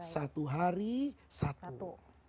satu hari satu